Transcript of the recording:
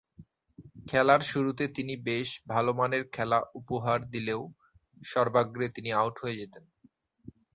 খেলার শুরুতে তিনি বেশ ভালোমানের খেলা উপহার দিলেও সর্বাগ্রে তিনি আউট হয়ে যেতেন।